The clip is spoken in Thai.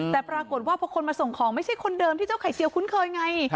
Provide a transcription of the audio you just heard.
แต่ปรากฏว่าพอคนมาส่งของไม่ใช่คนเดิมที่เจ้าไข่เซียวคุ้นเคยไง